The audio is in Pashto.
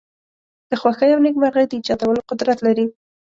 د خوښۍ او نېکمرغی د ایجادولو قدرت لری.